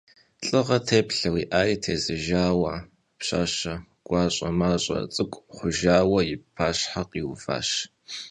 Лӏыгъэ теплъэу иӏари тезыжауэ пщащэ гуащӏэмащӏэ цӏыкӏу хъужауэ и пащхьэ къиуващ.